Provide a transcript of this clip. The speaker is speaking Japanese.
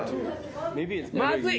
まずい！